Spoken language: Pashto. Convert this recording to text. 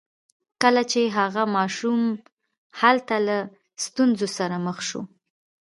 کله چې هغه ماشوم هلته له ستونزو سره مخ شو